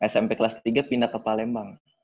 smp kelas ketiga pindah ke palembang